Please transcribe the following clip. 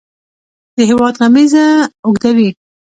د هیواد غمیزه اوږدوي.